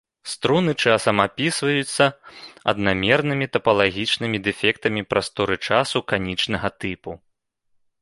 Струны часам апісваюцца аднамернымі тапалагічнымі дэфектамі прасторы-часу канічнага тыпу.